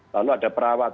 lalu ada perawat